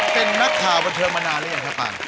เป็นนักข่าวบันเทิงมานานหรือยังครับปาน